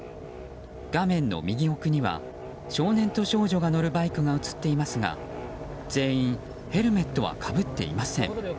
画面の右奥には少年と少女が乗るバイクが映っていますが全員、ヘルメットはかぶっていません。